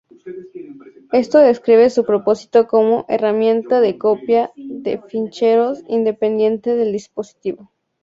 Esto describe su propósito como herramienta de copia de ficheros independiente del dispositivo.